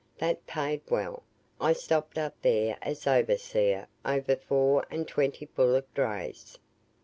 That paid well. I stopped up there as overseer over four and twenty bullock drays.